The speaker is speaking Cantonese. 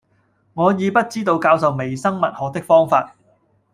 我已不知道教授微生物學的方法，